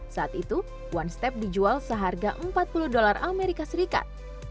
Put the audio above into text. saat itu one step dijual seharga empat puluh dolar amerika serikat